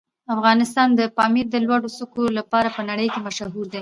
افغانستان د پامیر د لوړو څوکو لپاره په نړۍ مشهور دی.